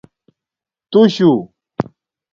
تُو شُو